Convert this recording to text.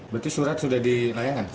berarti surat sudah dilayangkan